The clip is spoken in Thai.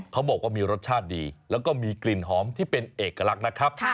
เขาบอกว่ามีรสชาติดีแล้วก็มีกลิ่นหอมที่เป็นเอกลักษณ์นะครับ